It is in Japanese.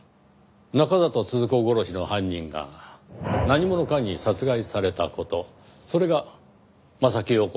中郷都々子殺しの犯人が何者かに殺害された事それが柾庸子